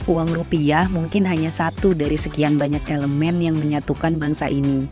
uang rupiah mungkin hanya satu dari sekian banyak elemen yang menyatukan bangsa ini